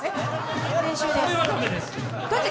それは駄目です。